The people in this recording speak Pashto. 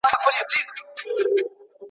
که وخت وي، شګه پاکوم،